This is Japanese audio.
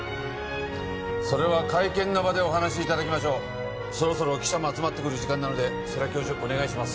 それは会見の場でお話しいただきましょうそろそろ記者も集まってくる時間なので世良教授お願いします